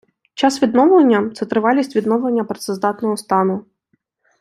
Час відновлення - це тривалість відновлення працездатного стану.